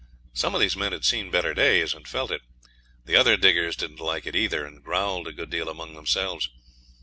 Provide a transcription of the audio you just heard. Some of these men had seen better days, and felt it; the other diggers didn't like it either, and growled a good deal among themselves.